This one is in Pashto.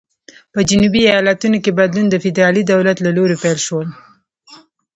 په جنوبي ایالتونو کې بدلون د فدرالي دولت له لوري پیل شول.